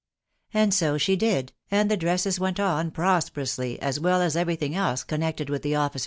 And so she did, and the dresses went on prosperously, as *& every thing ebe connected with the ofta?